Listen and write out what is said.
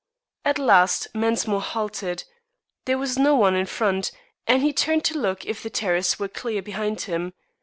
At last Mensmore halted. There was no one in front, and he turned to look if the terrace were clear behind him.